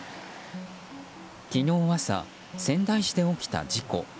昨日朝、仙台市で起きた事故。